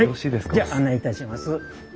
はいじゃあ案内いたします。